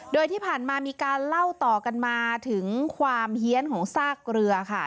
โดยที่ผ่านมามีการเล่าต่อกันมาถึงความเฮียนของซากเรือค่ะ